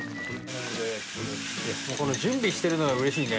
この準備してるのが嬉しいね。